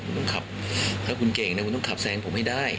ถ้าคุณเก่งนะคุณต้องขับแซงผมให้ได้